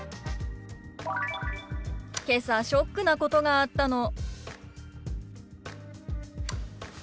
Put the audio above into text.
「けさショックなことがあったの」。